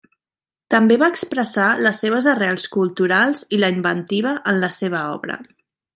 També va expressar les seves arrels culturals i la inventiva en la seva obra.